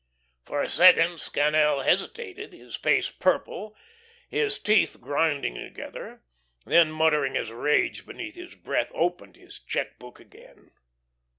For a second Scannel hesitated, his face purple, his teeth grinding together, then muttering his rage beneath his breath, opened his check book again.